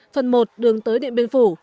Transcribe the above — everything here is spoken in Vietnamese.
phần một đường tới điện biên phủ